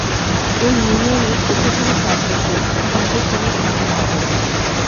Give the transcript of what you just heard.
এ ইউনিয়নের প্রশাসনিক কার্যক্রম ইন্দুরকানী থানার আওতাধীন।